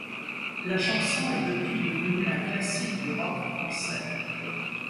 La chanson est depuis devenue un classique du rock français.